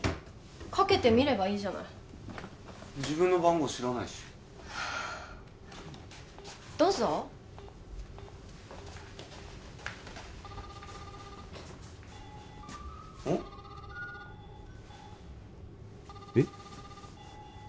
かけてみればいいじゃない自分の番号知らないしどうぞえッ？